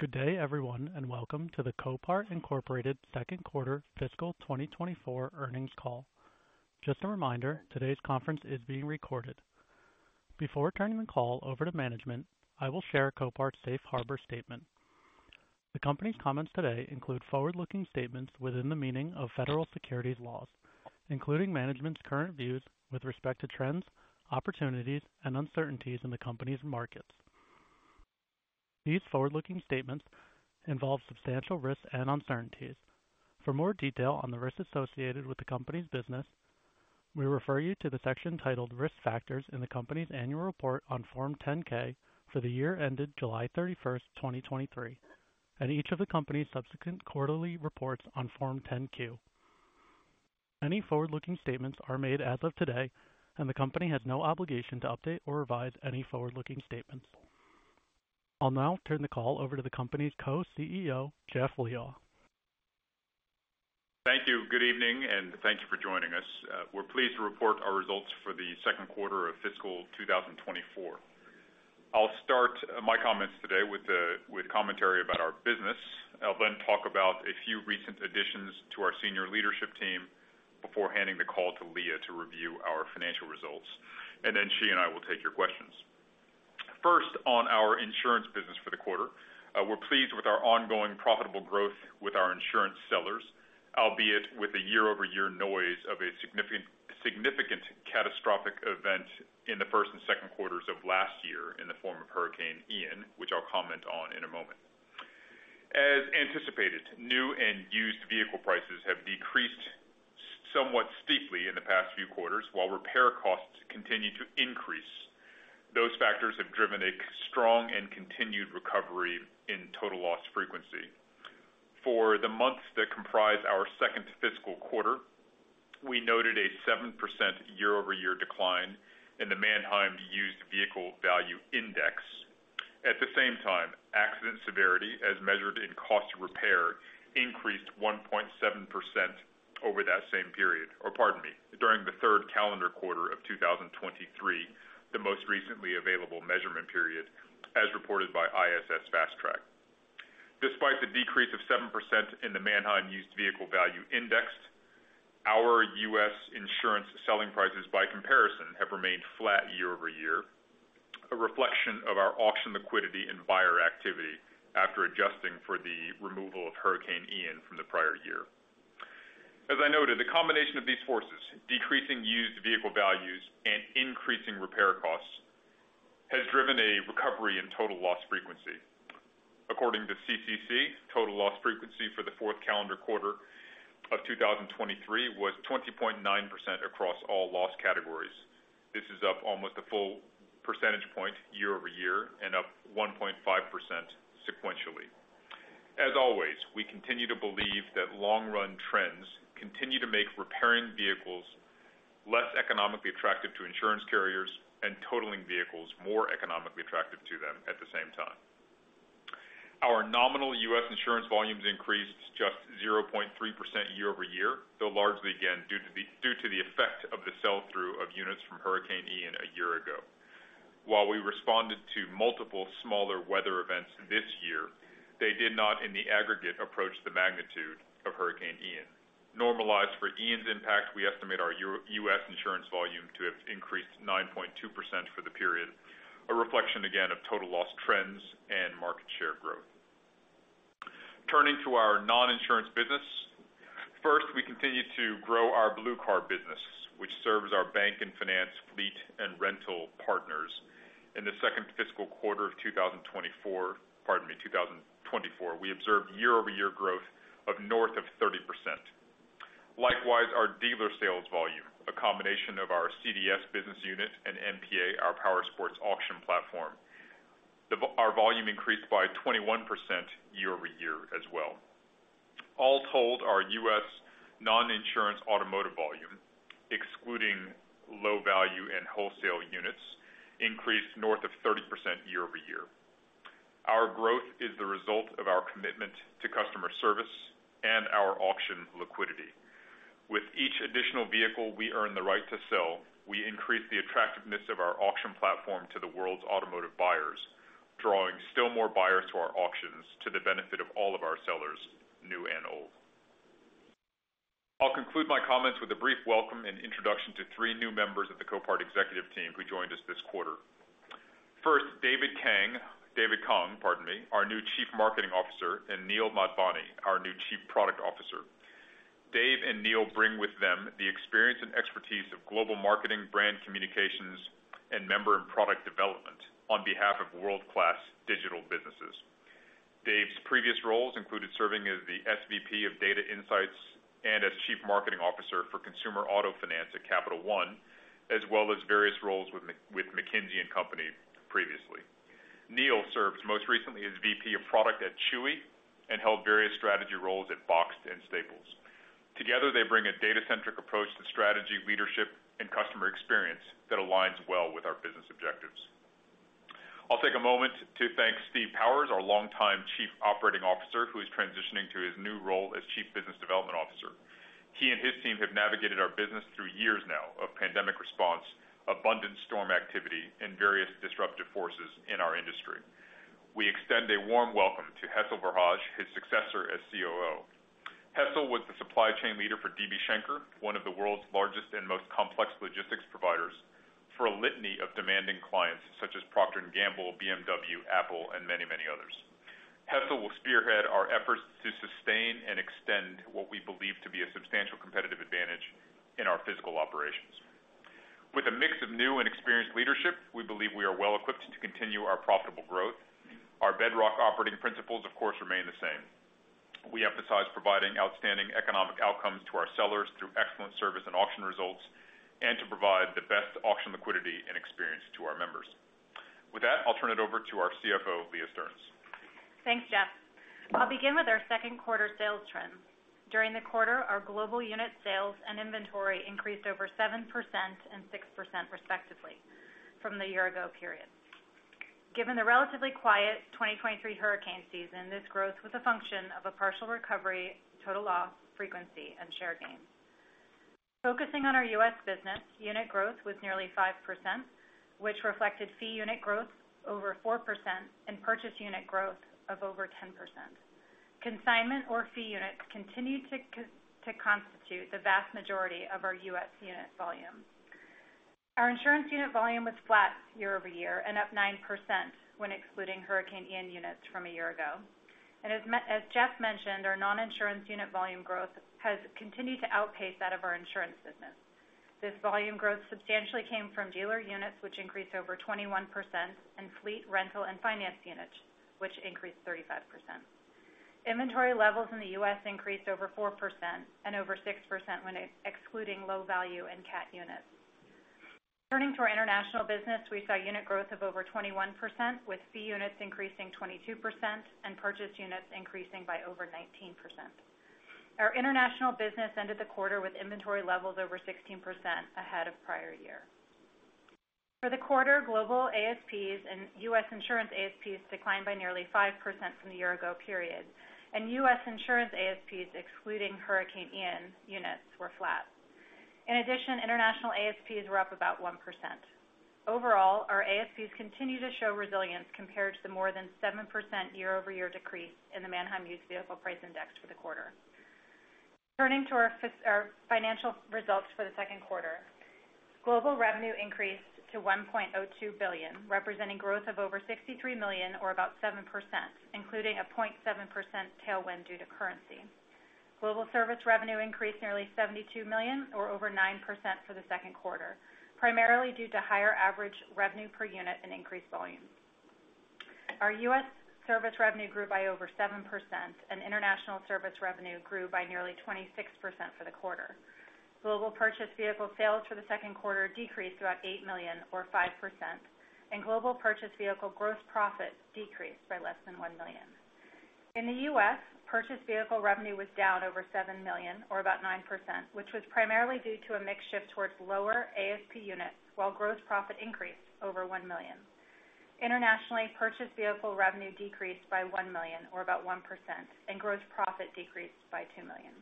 Good day, everyone, and welcome to the Copart Incorporated second quarter fiscal 2024 earnings call. Just a reminder, today's conference is being recorded. Before turning the call over to management, I will share Copart's Safe Harbor statement. The company's comments today include forward-looking statements within the meaning of federal securities laws, including management's current views with respect to trends, opportunities, and uncertainties in the company's markets. These forward-looking statements involve substantial risks and uncertainties. For more detail on the risks associated with the company's business, we refer you to the section titled Risk Factors in the company's annual report on Form 10-K for the year ended July 31, 2023, and each of the company's subsequent quarterly reports on Form 10-Q. Any forward-looking statements are made as of today, and the company has no obligation to update or revise any forward-looking statements. I'll now turn the call over to the company's Co-CEO, Jeff Liaw. Thank you. Good evening, and thank you for joining us. We're pleased to report our results for the second quarter of fiscal 2024. I'll start my comments today with commentary about our business. I'll then talk about a few recent additions to our senior leadership team before handing the call to Leah to review our financial results, and then she and I will take your questions. First, on our insurance business for the quarter, we're pleased with our ongoing profitable growth with our insurance sellers, albeit with the year-over-year noise of a significant catastrophic event in the first and second quarters of last year in the form of Hurricane Ian, which I'll comment on in a moment. As anticipated, new and used vehicle prices have decreased somewhat steeply in the past few quarters, while repair costs continue to increase. Those factors have driven a strong and continued recovery in total loss frequency. For the months that comprise our second fiscal quarter, we noted a 7% year-over-year decline in the Manheim Used Vehicle Value Index. At the same time, accident severity, as measured in cost of repair, increased 1.7% over that same period, or pardon me, during the third calendar quarter of 2023, the most recently available measurement period, as reported by ISS Fast Track. Despite the decrease of 7% in the Manheim Used Vehicle Value Index, our U.S. insurance selling prices by comparison have remained flat year-over-year, a reflection of our auction liquidity and buyer activity after adjusting for the removal of Hurricane Ian from the prior year. As I noted, the combination of these forces, decreasing used vehicle values and increasing repair costs, has driven a recovery in total loss frequency. According to CCC, total loss frequency for the fourth calendar quarter of 2023 was 20.9% across all loss categories. This is up almost a full percentage point year-over-year and up 1.5% sequentially. As always, we continue to believe that long-run trends continue to make repairing vehicles less economically attractive to insurance carriers and totaling vehicles more economically attractive to them at the same time. Our nominal U.S. insurance volumes increased just 0.3% year-over-year, though largely, again, due to the effect of the sell-through of units from Hurricane Ian a year ago. While we responded to multiple smaller weather events this year, they did not, in the aggregate, approach the magnitude of Hurricane Ian. Normalized for Ian's impact, we estimate our U.S. insurance volume to have increased 9.2% for the period, a reflection, again, of total loss trends and market share growth. Turning to our non-insurance business, first, we continue to grow our Blue Car business, which serves our bank and finance fleet and rental partners. In the second fiscal quarter of 2024, pardon me, 2024, we observed year-over-year growth of north of 30%. Likewise, our dealer sales volume, a combination of our CDS business unit and NPA, our powersport auction platform, our volume increased by 21% year-over-year as well. All told, our U.S. non-insurance automotive volume, excluding low-value and wholesale units, increased north of 30% year-over-year. Our growth is the result of our commitment to customer service and our auction liquidity. With each additional vehicle we earn the right to sell, we increase the attractiveness of our auction platform to the world's automotive buyers, drawing still more buyers to our auctions to the benefit of all of our sellers, new and old. I'll conclude my comments with a brief welcome and introduction to three new members of the Copart executive team who joined us this quarter. First, David Kang - David Kang, pardon me - our new Chief Marketing Officer, and Neel Madhvani, our new Chief Product Officer. Dave and Neel bring with them the experience and expertise of global marketing, brand communications, and member and product development on behalf of world-class digital businesses. Dave's previous roles included serving as the SVP of Data Insights and as chief marketing officer for consumer auto finance at Capital One, as well as various roles with McKinsey & Company previously. Neel served most recently as VP of product at Chewy and held various strategy roles at Boxed and Staples. Together, they bring a data-centric approach to strategy, leadership, and customer experience that aligns well with our business objectives. I'll take a moment to thank Steve Powers, our longtime Chief Operating Officer, who is transitioning to his new role as Chief Business Development Officer. He and his team have navigated our business through years now of pandemic response, abundant storm activity, and various disruptive forces in our industry. We extend a warm welcome to Hessel Verhage, his successor as COO. Hessel was the supply chain leader for DB Schenker, one of the world's largest and most complex logistics providers, for a litany of demanding clients such as Procter & Gamble, BMW, Apple, and many, many others. Hessel will spearhead our efforts to sustain and extend what we believe to be a substantial competitive advantage in our physical operations. With a mix of new and experienced leadership, we believe we are well-equipped to continue our profitable growth. Our bedrock operating principles, of course, remain the same. We emphasize providing outstanding economic outcomes to our sellers through excellent service and auction results and to provide the best auction liquidity and experience to our members. With that, I'll turn it over to our CFO, Leah Stearns. Thanks, Jeff. I'll begin with our second quarter sales trends. During the quarter, our global unit sales and inventory increased over 7% and 6%, respectively, from the year-ago period. Given the relatively quiet 2023 hurricane season, this growth was a function of a partial recovery, total loss frequency, and share gains. Focusing on our U.S. business, unit growth was nearly 5%, which reflected fee unit growth over 4% and purchase unit growth of over 10%. Consignment or fee units continued to constitute the vast majority of our U.S. unit volume. Our insurance unit volume was flat year-over-year and up 9% when excluding Hurricane Ian units from a year ago. And as Jeff mentioned, our non-insurance unit volume growth has continued to outpace that of our insurance business. This volume growth substantially came from dealer units, which increased over 21%, and fleet, rental, and finance units, which increased 35%. Inventory levels in the U.S. increased over 4% and over 6% when excluding low-value and CAT units. Turning to our international business, we saw unit growth of over 21%, with fee units increasing 22% and purchase units increasing by over 19%. Our international business ended the quarter with inventory levels over 16% ahead of prior year. For the quarter, global ASPs and U.S. insurance ASPs declined by nearly 5% from the year-ago period, and U.S. insurance ASPs excluding Hurricane Ian units were flat. In addition, international ASPs were up about 1%. Overall, our ASPs continue to show resilience compared to the more than 7% year-over-year decrease in the Manheim Used Vehicle Price Index for the quarter. Turning to our financial results for the second quarter, global revenue increased to $1.02 billion, representing growth of over $63 million, or about 7%, including a 0.7% tailwind due to currency. Global service revenue increased nearly $72 million, or over 9%, for the second quarter, primarily due to higher average revenue per unit and increased volumes. Our U.S. service revenue grew by over 7%, and international service revenue grew by nearly 26% for the quarter. Global purchase vehicle sales for the second quarter decreased about $8 million, or 5%, and global purchase vehicle gross profit decreased by less than $1 million. In the U.S., purchase vehicle revenue was down over $7 million, or about 9%, which was primarily due to a mixed shift towards lower ASP units, while gross profit increased over $1 million. Internationally, purchase vehicle revenue decreased by $1 million, or about 1%, and gross profit decreased by $2 million.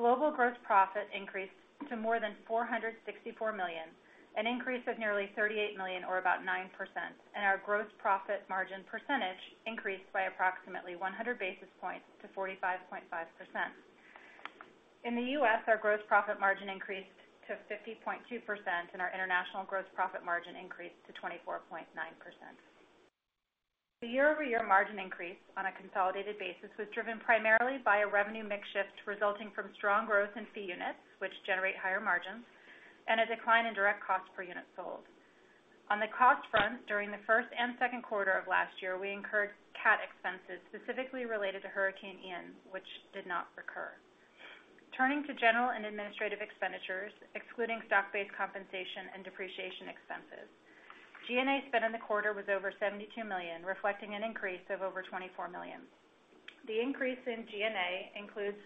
Global gross profit increased to more than $464 million, an increase of nearly $38 million, or about 9%, and our gross profit margin percentage increased by approximately 100 basis points to 45.5%. In the U.S., our gross profit margin increased to 50.2%, and our international gross profit margin increased to 24.9%. The year-over-year margin increase on a consolidated basis was driven primarily by a revenue mix shift resulting from strong growth in fee units, which generate higher margins, and a decline in direct cost per unit sold. On the cost front, during the first and second quarter of last year, we incurred CAT expenses specifically related to Hurricane Ian, which did not recur. Turning to general and administrative expenditures, excluding stock-based compensation and depreciation expenses, G&A spend in the quarter was over $72 million, reflecting an increase of over $24 million. The increase in G&A includes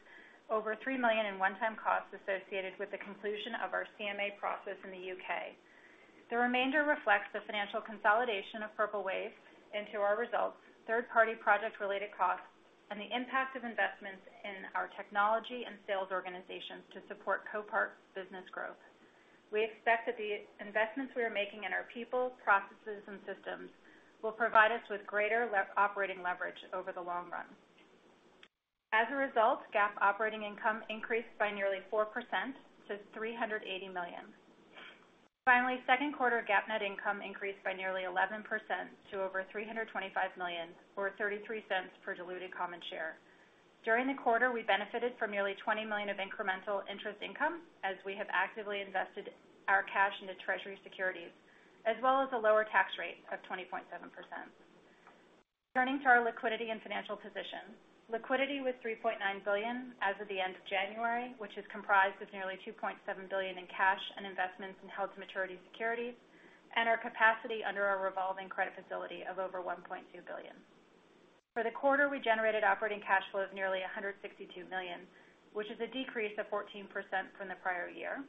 over $3 million in one-time costs associated with the conclusion of our CMA process in the U.K. The remainder reflects the financial consolidation of Purple Wave into our results, third-party project-related costs, and the impact of investments in our technology and sales organizations to support Copart's business growth. We expect that the investments we are making in our people, processes, and systems will provide us with greater operating leverage over the long run. As a result, GAAP operating income increased by nearly 4% to $380 million. Finally, second quarter GAAP net income increased by nearly 11% to over $325 million, or $0.33 per diluted common share. During the quarter, we benefited from nearly $20 million of incremental interest income as we have actively invested our cash into Treasury securities, as well as a lower tax rate of 20.7%. Turning to our liquidity and financial position, liquidity was $3.9 billion as of the end of January, which is comprised of nearly $2.7 billion in cash and investments in held-to-maturity securities, and our capacity under our revolving credit facility of over $1.2 billion. For the quarter, we generated operating cash flow of nearly $162 million, which is a decrease of 14% from the prior year.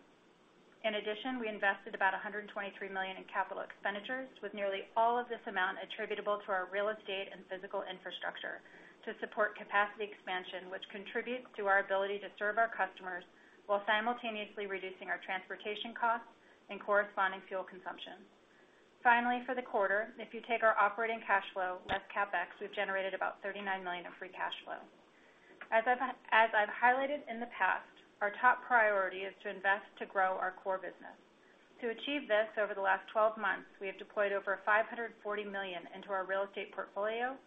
In addition, we invested about $123 million in capital expenditures, with nearly all of this amount attributable to our real estate and physical infrastructure to support capacity expansion, which contributes to our ability to serve our customers while simultaneously reducing our transportation costs and corresponding fuel consumption. Finally, for the quarter, if you take our operating cash flow less CapEx, we've generated about $39 million of free cash flow. As I've highlighted in the past, our top priority is to invest to grow our core business. To achieve this, over the last 12 months, we have deployed over $540 million into our real estate portfolio,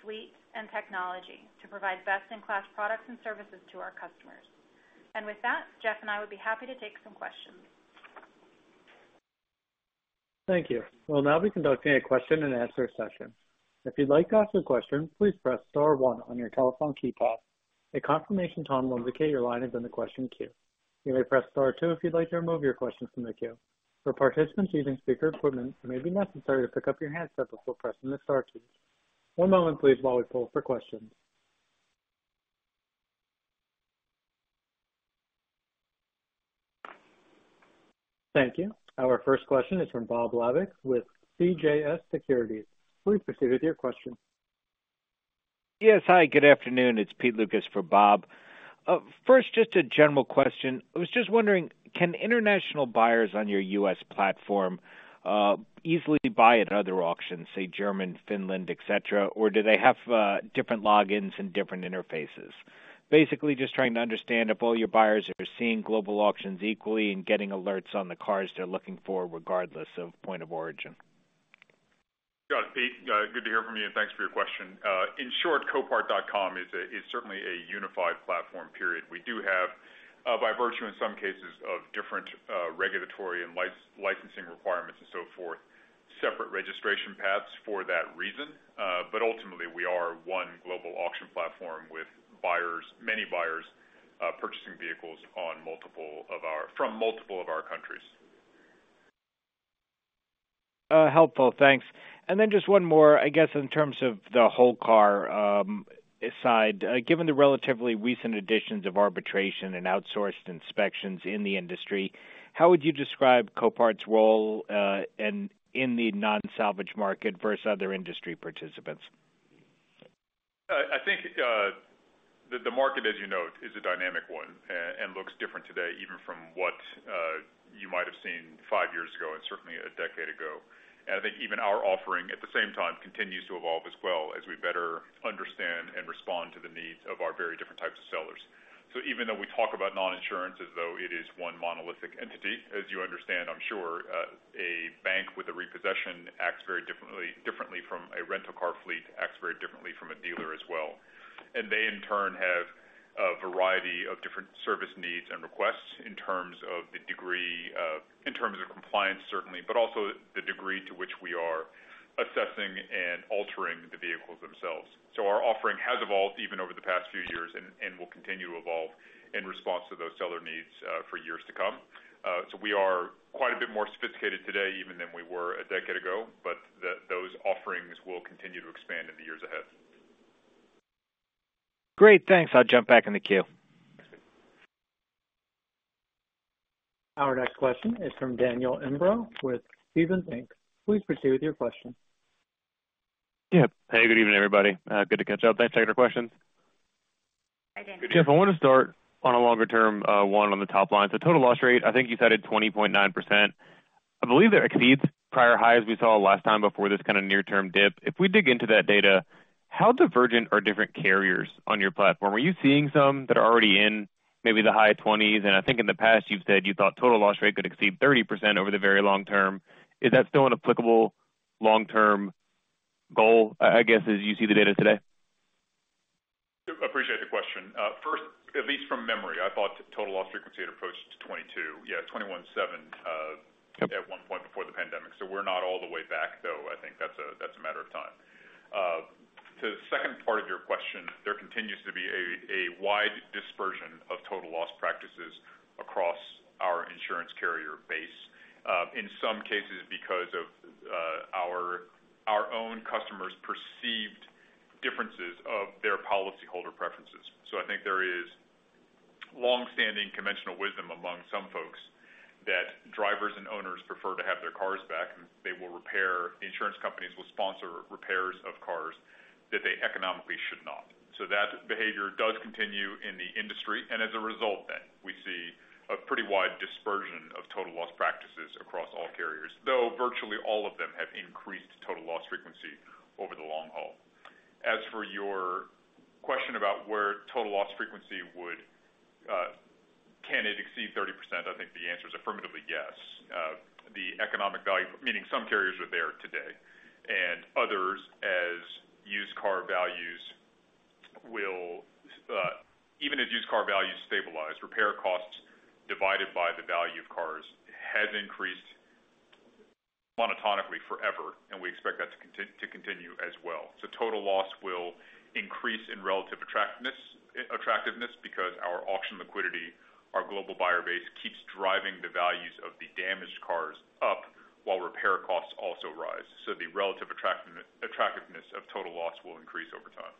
fleet, and technology to provide best-in-class products and services to our customers. With that, Jeff and I would be happy to take some questions. Thank you. Well, now we conduct a question-and-answer session. If you'd like to ask a question, please press star 1 on your telephone keypad. A confirmation tone will indicate your line is in the question queue. You may press star 2 if you'd like to remove your question from the queue. For participants using speaker equipment, it may be necessary to pick up your handset before pressing the star keys. One moment, please, while we pull for questions. Thank you. Our first question is from Bob Labick with CJS Securities. Please proceed with your question. Yes. Hi. Good afternoon. It's Pete Lukas for Bob. First, just a general question. I was just wondering, can international buyers on your U.S. platform easily buy at other auctions, say Germany, Finland, etc., or do they have different logins and different interfaces? Basically, just trying to understand if all your buyers are seeing global auctions equally and getting alerts on the cars they're looking for regardless of point of origin. Got it, Pete. Good to hear from you, and thanks for your question. In short, copart.com is certainly a unified platform. We do have, by virtue in some cases of different regulatory and licensing requirements and so forth, separate registration paths for that reason. But ultimately, we are one global auction platform with many buyers purchasing vehicles from multiple of our countries. Helpful. Thanks. And then just one more, I guess, in terms of the whole-car side. Given the relatively recent additions of arbitration and outsourced inspections in the industry, how would you describe Copart's role in the non-salvage market versus other industry participants? I think that the market, as you note, is a dynamic one and looks different today, even from what you might have seen five years ago and certainly a decade ago. I think even our offering, at the same time, continues to evolve as well as we better understand and respond to the needs of our very different types of sellers. Even though we talk about non-insurance as though it is one monolithic entity, as you understand, I'm sure, a bank with a repossession acts very differently from a rental car fleet, acts very differently from a dealer as well. They, in turn, have a variety of different service needs and requests in terms of the degree in terms of compliance, certainly, but also the degree to which we are assessing and altering the vehicles themselves. So our offering has evolved even over the past few years and will continue to evolve in response to those seller needs for years to come. So we are quite a bit more sophisticated today even than we were a decade ago, but those offerings will continue to expand in the years ahead. Great. Thanks. I'll jump back in the queue. Our next question is from Daniel Imbro with Stephens Inc. Please proceed with your question. Yeah. Hey. Good evening, everybody. Good to catch up. Thanks for taking our questions. Hi, Daniel. Jeff, I want to start on a longer-term one on the top line. So total loss rate, I think you cited 20.9%. I believe that exceeds prior highs we saw last time before this kind of near-term dip. If we dig into that data, how divergent are different carriers on your platform? Are you seeing some that are already in maybe the high 20s? And I think in the past, you've said you thought total loss rate could exceed 30% over the very long term. Is that still an applicable long-term goal, I guess, as you see the data today? Appreciate the question. First, at least from memory, I thought total loss frequency had approached 22. Yeah, 21.7 at one point before the pandemic. So we're not all the way back, though. I think that's a matter of time. To the second part of your question, there continues to be a wide dispersion of total loss practices across our insurance carrier base, in some cases because of our own customers' perceived differences of their policyholder preferences. So I think there is longstanding conventional wisdom among some folks that drivers and owners prefer to have their cars back, and they will repair the insurance companies will sponsor repairs of cars that they economically should not. So that behavior does continue in the industry. And as a result, then, we see a pretty wide dispersion of total loss practices across all carriers, though virtually all of them have increased total loss frequency over the long haul. As for your question about where total loss frequency would can it exceed 30%, I think the answer is affirmatively yes. The economic value, meaning some carriers are there today, and others, as used car values will even as used car values stabilize, repair costs divided by the value of cars has increased monotonically forever, and we expect that to continue as well. So total loss will increase in relative attractiveness because our auction liquidity, our global buyer base, keeps driving the values of the damaged cars up while repair costs also rise. So the relative attractiveness of total loss will increase over time.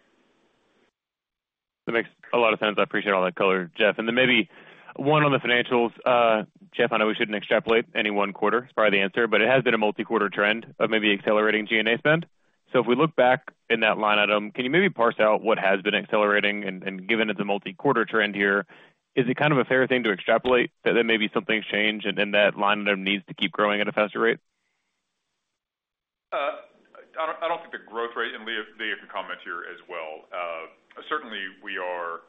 That makes a lot of sense. I appreciate all that color, Jeff. Then maybe one on the financials. Jeff, I know we shouldn't extrapolate any one quarter as far as the answer, but it has been a multi-quarter trend of maybe accelerating G&A spend. If we look back in that line item, can you maybe parse out what has been accelerating? Given it's a multi-quarter trend here, is it kind of a fair thing to extrapolate that maybe something's changed and that line item needs to keep growing at a faster rate? I don't think the growth rate and Leah, Leah, you can comment here as well. Certainly, we are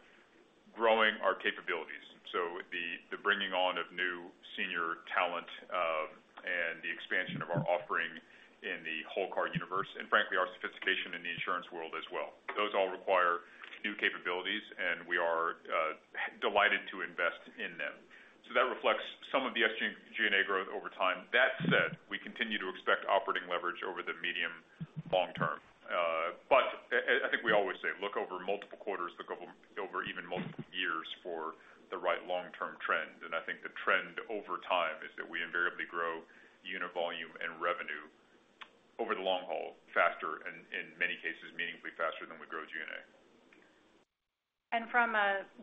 growing our capabilities. So the bringing on of new senior talent and the expansion of our offering in the whole-car universe and, frankly, our sophistication in the insurance world as well, those all require new capabilities, and we are delighted to invest in them. So that reflects some of the SG&A growth over time. That said, we continue to expect operating leverage over the medium-long term. But I think we always say, "Look over multiple quarters. Look over even multiple years for the right long-term trend." And I think the trend over time is that we invariably grow unit volume and revenue over the long haul faster, in many cases, meaningfully faster than we grow G&A. From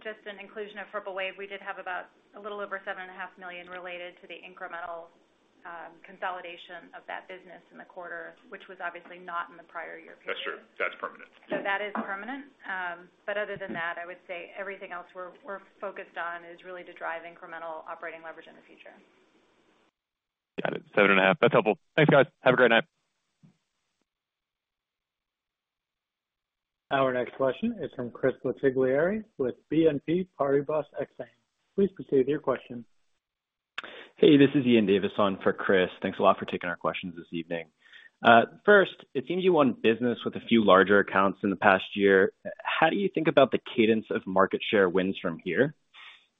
just an inclusion of Purple Wave, we did have about a little over $7.5 million related to the incremental consolidation of that business in the quarter, which was obviously not in the prior year period. That's true. That's permanent. That is permanent. Other than that, I would say everything else we're focused on is really to drive incremental operating leverage in the future. Got it. 7.5. That's helpful. Thanks, guys. Have a great night. Our next question is from Chris Bottiglieri with BNP Paribas Exane. Please proceed with your question. Hey. This is Ian Davis on for Chris. Thanks a lot for taking our questions this evening. First, it seems you won business with a few larger accounts in the past year. How do you think about the cadence of market share wins from here?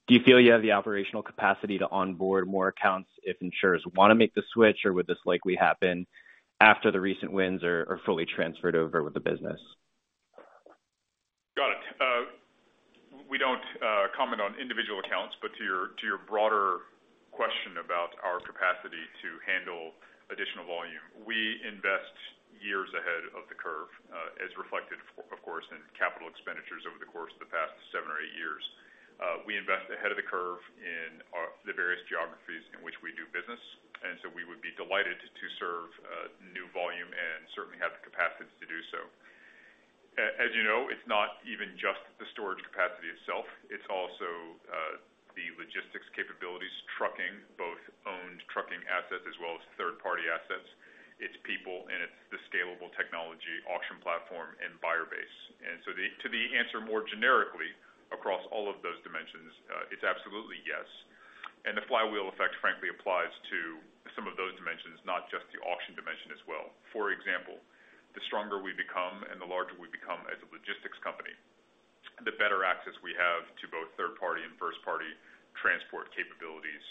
Do you feel you have the operational capacity to onboard more accounts if insurers want to make the switch, or would this likely happen after the recent wins are fully transferred over with the business? Got it. We don't comment on individual accounts, but to your broader question about our capacity to handle additional volume, we invest years ahead of the curve, as reflected, of course, in capital expenditures over the course of the past seven or eight years. We invest ahead of the curve in the various geographies in which we do business. And so we would be delighted to serve new volume and certainly have the capacity to do so. As you know, it's not even just the storage capacity itself. It's also the logistics capabilities, trucking, both owned trucking assets as well as third-party assets. It's people, and it's the scalable technology, auction platform, and buyer base. And so to answer more generically across all of those dimensions, it's absolutely yes. And the flywheel effect, frankly, applies to some of those dimensions, not just the auction dimension as well. For example, the stronger we become and the larger we become as a logistics company, the better access we have to both third-party and first-party transport capabilities,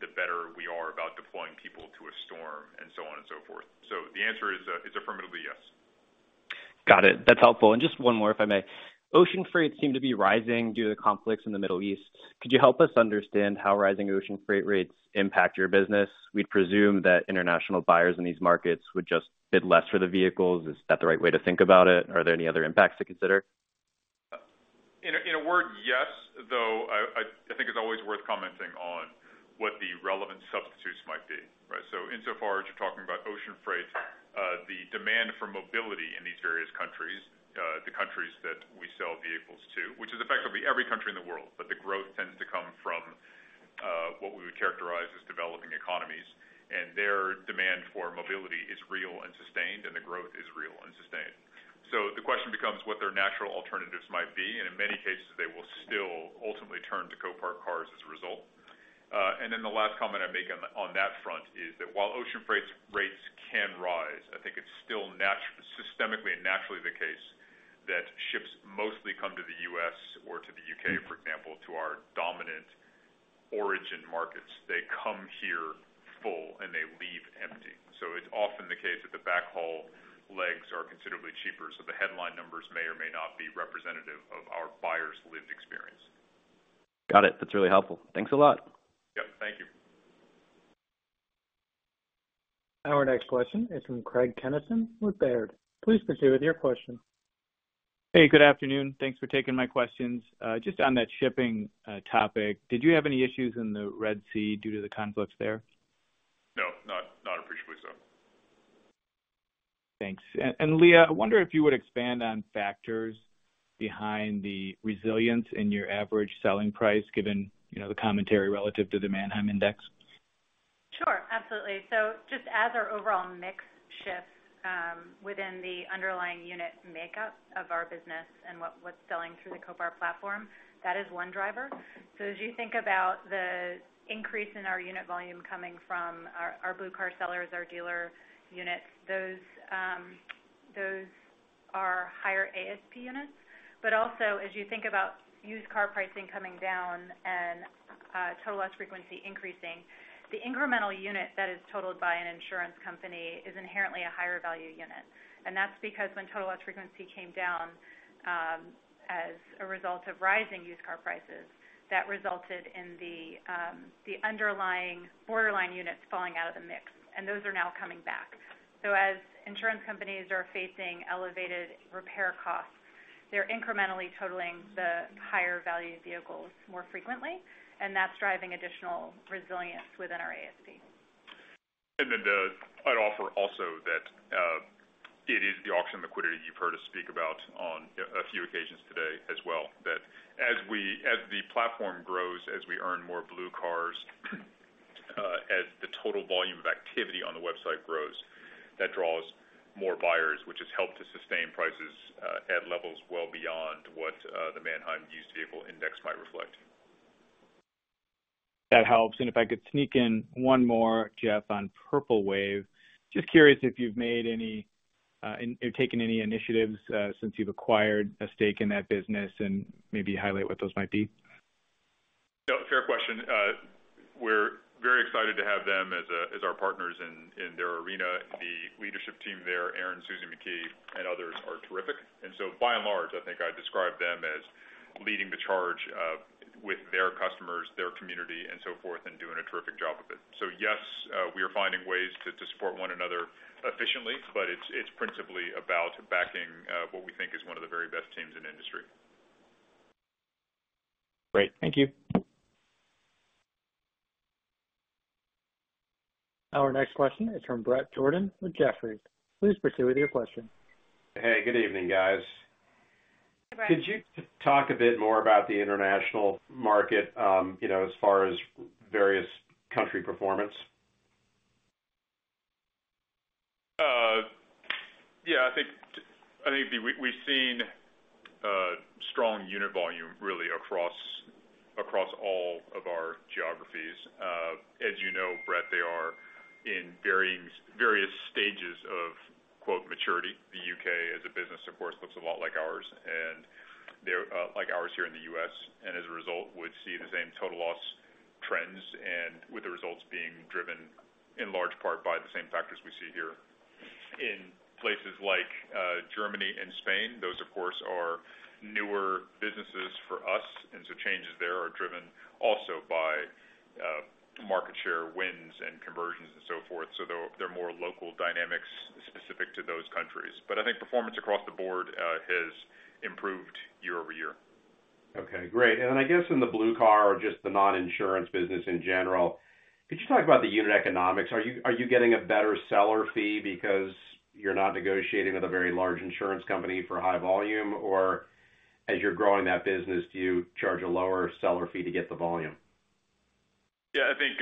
the better we are about deploying people to a storm, and so on and so forth. So the answer is affirmatively yes. Got it. That's helpful. And just one more, if I may. Ocean freight seem to be rising due to the conflicts in the Middle East. Could you help us understand how rising ocean freight rates impact your business? We'd presume that international buyers in these markets would just bid less for the vehicles. Is that the right way to think about it? Are there any other impacts to consider? In a word, yes, though. I think it's always worth commenting on what the relevant substitutes might be, right? So insofar as you're talking about ocean freight, the demand for mobility in these various countries, the countries that we sell vehicles to, which is effectively every country in the world, but the growth tends to come from what we would characterize as developing economies. And their demand for mobility is real and sustained, and the growth is real and sustained. So the question becomes what their natural alternatives might be. And in many cases, they will still ultimately turn to Copart cars as a result. And then the last comment I make on that front is that while ocean freight rates can rise, I think it's still systemically and naturally the case that ships mostly come to the U.S. or to the U.K., for example, to our dominant origin markets. They come here full, and they leave empty. So it's often the case that the backhaul legs are considerably cheaper. So the headline numbers may or may not be representative of our buyers' lived experience. Got it. That's really helpful. Thanks a lot. Yep. Thank you. Our next question is from Craig Kennison with Baird. Please proceed with your question. Hey. Good afternoon. Thanks for taking my questions. Just on that shipping topic, did you have any issues in the Red Sea due to the conflicts there? No. Not appreciably so. Thanks. And Leah, I wonder if you would expand on factors behind the resilience in your average selling price, given the commentary relative to the Manheim Index? Sure. Absolutely. So just as our overall mix shifts within the underlying unit makeup of our business and what's selling through the Copart platform, that is one driver. So as you think about the increase in our unit volume coming from our Blue Car sellers, our dealer units, those are higher ASP units. But also, as you think about used car pricing coming down and total loss frequency increasing, the incremental unit that is totaled by an insurance company is inherently a higher-value unit. And that's because when total loss frequency came down as a result of rising used car prices, that resulted in the underlying borderline units falling out of the mix. And those are now coming back. So as insurance companies are facing elevated repair costs, they're incrementally totaling the higher-value vehicles more frequently, and that's driving additional resilience within our ASP. Then I'd offer also that it is the auction liquidity you've heard us speak about on a few occasions today as well, that as the platform grows, as we earn more Blue Cars, as the total volume of activity on the website grows, that draws more buyers, which has helped to sustain prices at levels well beyond what the Manheim Used Vehicle Index might reflect. That helps. If I could sneak in one more, Jeff, on Purple Wave, just curious if you've taken any initiatives since you've acquired a stake in that business and maybe highlight what those might be. No. Fair question. We're very excited to have them as our partners in their arena. The leadership team there, Aaron McKee, Suzi McKee, and others, are terrific. And so by and large, I think I describe them as leading the charge with their customers, their community, and so forth, and doing a terrific job of it. So yes, we are finding ways to support one another efficiently, but it's principally about backing what we think is one of the very best teams in the industry. Great. Thank you. Our next question is from Bret Jordan with Jefferies. Please proceed with your question. Hey. Good evening, guys. Hi, Bret. Could you talk a bit more about the international market as far as various country performance? Yeah. I think we've seen strong unit volume, really, across all of our geographies. As you know, Bret, they are in various stages of "maturity." The U.K., as a business, of course, looks a lot like ours here in the U.S. and, as a result, would see the same total loss trends, with the results being driven in large part by the same factors we see here in places like Germany and Spain. Those, of course, are newer businesses for us, and so changes there are driven also by market share wins and conversions and so forth. So they're more local dynamics specific to those countries. But I think performance across the board has improved year-over-year. Okay. Great. And then I guess in the Blue Car or just the non-insurance business in general, could you talk about the unit economics? Are you getting a better seller fee because you're not negotiating with a very large insurance company for high volume, or as you're growing that business, do you charge a lower seller fee to get the volume? Yeah. I think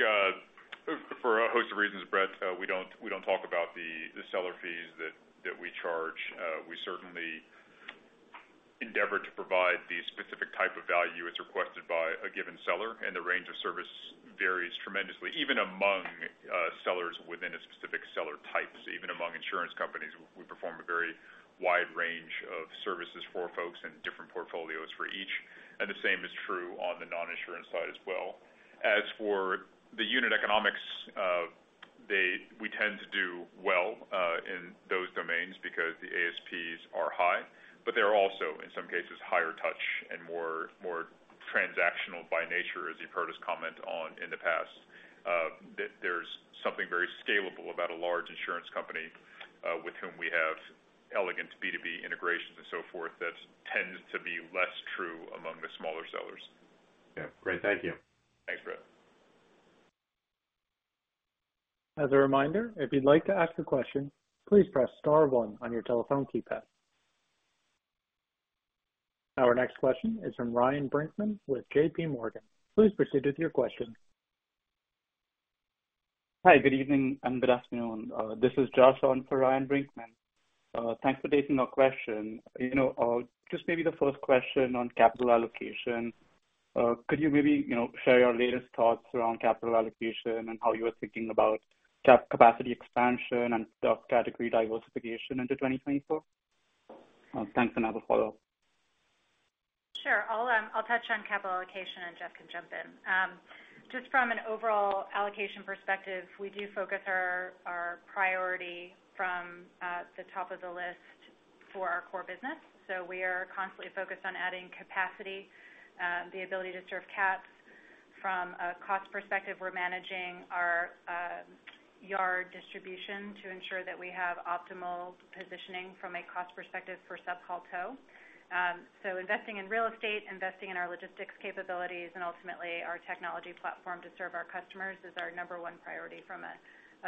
for a host of reasons, Bret, we don't talk about the seller fees that we charge. We certainly endeavor to provide the specific type of value that's requested by a given seller, and the range of service varies tremendously, even among sellers within a specific seller type. So even among insurance companies, we perform a very wide range of services for folks and different portfolios for each. And the same is true on the non-insurance side as well. As for the unit economics, we tend to do well in those domains because the ASPs are high, but they're also, in some cases, higher touch and more transactional by nature, as you've heard us comment on in the past. There's something very scalable about a large insurance company with whom we have elegant B2B integrations and so forth that tends to be less true among the smaller sellers. Yeah. Great. Thank you. Thanks, Bret? As a reminder, if you'd like to ask a question, please press star 1 on your telephone keypad. Our next question is from Ryan Brinkman with JPMorgan. Please proceed with your question. Hi. Good evening and good afternoon. This is Jash on for Ryan Brinkman. Thanks for taking our question. Just maybe the first question on capital allocation. Could you maybe share your latest thoughts around capital allocation and how you are thinking about capacity expansion and stock category diversification into 2024? Thanks for another follow-up. Sure. I'll touch on capital allocation, and Jeff can jump in. Just from an overall allocation perspective, we do focus our priority from the top of the list for our core business. So we are constantly focused on adding capacity, the ability to serve CATs. From a cost perspective, we're managing our yard distribution to ensure that we have optimal positioning from a cost perspective for sub-haul. So investing in real estate, investing in our logistics capabilities, and ultimately, our technology platform to serve our customers is our number one priority from a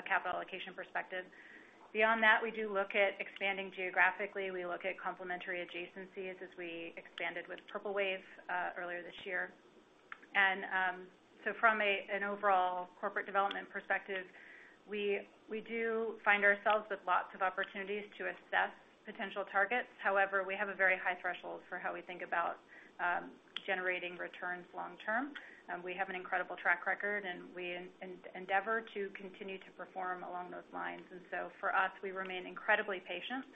capital allocation perspective. Beyond that, we do look at expanding geographically. We look at complementary adjacencies as we expanded with Purple Wave earlier this year. And so from an overall corporate development perspective, we do find ourselves with lots of opportunities to assess potential targets. However, we have a very high threshold for how we think about generating returns long term. We have an incredible track record, and we endeavor to continue to perform along those lines. And so for us, we remain incredibly patient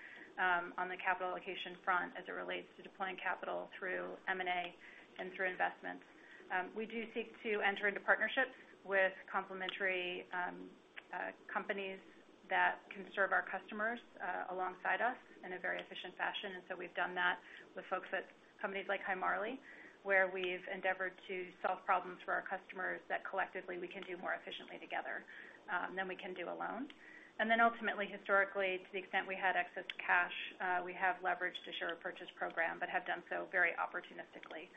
on the capital allocation front as it relates to deploying capital through M&A and through investments. We do seek to enter into partnerships with complementary companies that can serve our customers alongside us in a very efficient fashion. And so we've done that with folks at companies like Hi Marley, where we've endeavored to solve problems for our customers that collectively, we can do more efficiently together than we can do alone. And then ultimately, historically, to the extent we had excess cash, we have leveraged a share repurchase program but have done so very opportunistically.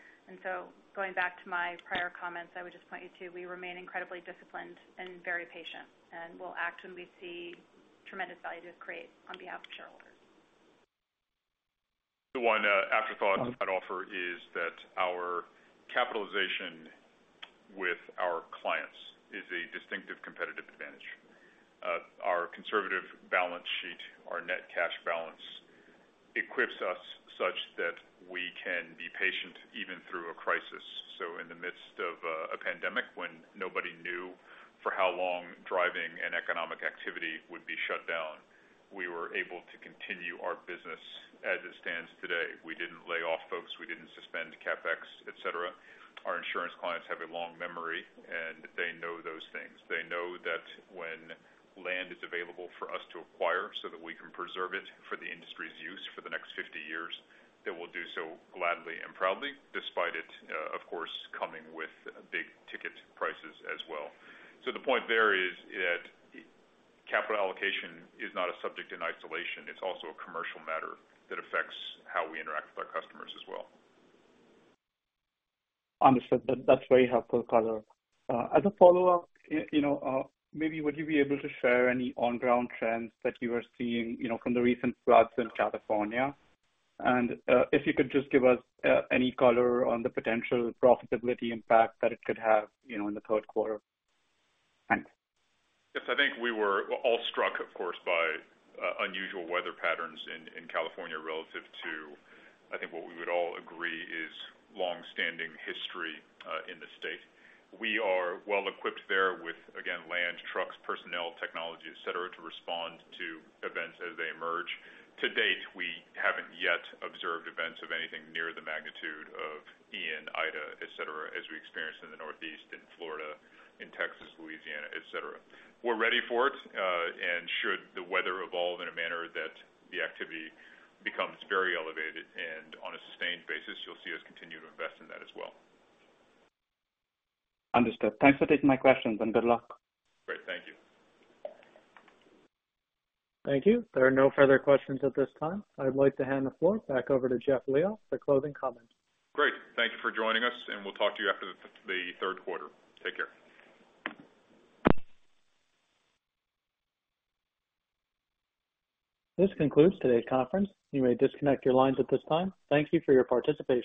Going back to my prior comments, I would just point you to we remain incredibly disciplined and very patient, and we'll act when we see tremendous value to create on behalf of shareholders. The one afterthought I'd offer is that our capitalization with our clients is a distinctive competitive advantage. Our conservative balance sheet, our net cash balance, equips us such that we can be patient even through a crisis. So in the midst of a pandemic when nobody knew for how long driving and economic activity would be shut down, we were able to continue our business as it stands today. We didn't lay off folks. We didn't suspend CapEx, etc. Our insurance clients have a long memory, and they know those things. They know that when land is available for us to acquire so that we can preserve it for the industry's use for the next 50 years, they will do so gladly and proudly, despite it, of course, coming with big ticket prices as well. So the point there is that capital allocation is not a subject in isolation. It's also a commercial matter that affects how we interact with our customers as well. Understood. That's very helpful color. As a follow-up, maybe would you be able to share any on-ground trends that you are seeing from the recent floods in California? And if you could just give us any color on the potential profitability impact that it could have in the third quarter? Thanks. Yes. I think we were all struck, of course, by unusual weather patterns in California relative to, I think what we would all agree is longstanding history in the state. We are well-equipped there with, again, land, trucks, personnel, technology, etc., to respond to events as they emerge. To date, we haven't yet observed events of anything near the magnitude of Ian, Ida, etc., as we experienced in the Northeast, in Florida, in Texas, Louisiana, etc. We're ready for it. And should the weather evolve in a manner that the activity becomes very elevated and on a sustained basis, you'll see us continue to invest in that as well. Understood. Thanks for taking my questions, and good luck. Great. Thank you. Thank you. There are no further questions at this time. I'd like to hand the floor back over to Jeff Liaw for closing comments. Great. Thank you for joining us, and we'll talk to you after the third quarter. Take care. This concludes today's conference. You may disconnect your lines at this time. Thank you for your participation.